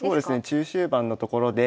中終盤のところで。